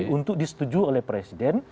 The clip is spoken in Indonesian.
untuk disetujui oleh presiden